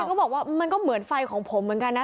ก็บอกว่ามันก็เหมือนไฟของผมเหมือนกันนะ